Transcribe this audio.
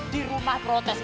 di rumah protes